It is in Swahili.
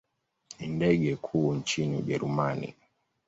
Ni ndege kuu nchini Ujerumani.